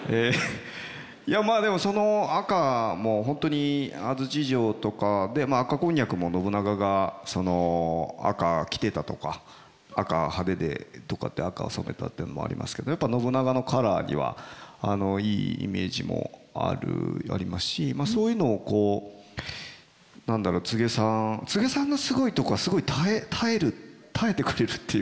いやでもその赤もう本当に安土城とかねっ赤こんにゃくも信長が赤着てたとか赤派手でとかって赤を染めたっていうのもありますけどやっぱ信長のカラーにはいいイメージもありますしそういうのをこう何だろう柘植さんのすごいとこはすごい耐えてくれるっていうか。